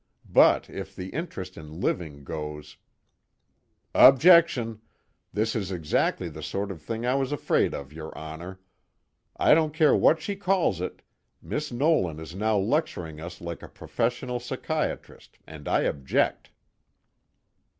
But if the interest in living goes " "Objection! This is exactly the sort of thing I was afraid of, your Honor. I don't care what she calls it, Miss Nolan is now lecturing us like a professional psychiatrist, and I object."